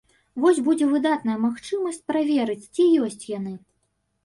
Вось будзе выдатная магчымасць праверыць, ці ёсць яны.